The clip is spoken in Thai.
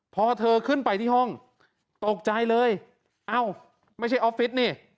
พอเธอขึ้นไปที่ห้องตกใจเลยเอ้าไม่ใช่ออฟฟิศนี่